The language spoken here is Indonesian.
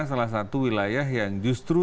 salah satu wilayah yang justru